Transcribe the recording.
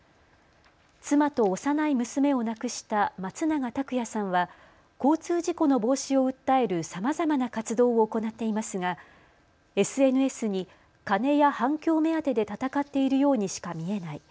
妻と幼い娘を亡くした松永拓也さんは交通事故の防止を訴えるさまざまな活動を行っていますがＳＮＳに金や反響目当てで闘っているようにしか見えない。